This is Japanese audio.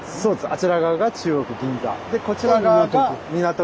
あちら側が中央区銀座。